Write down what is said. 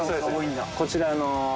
こちら。